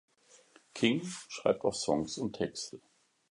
King schreibt auch Songs und Texte.